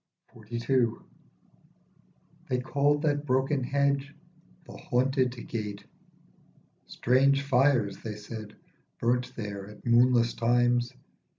46 XLII. THEY called that broken hedge The Haunted Gate. Strange fires (they said) burnt there at moonless times.